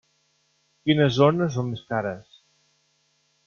Quines zones són més cares?